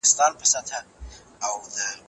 تاسي د یاد دپاره تر بالښت لاندي موخې مه هېروئ.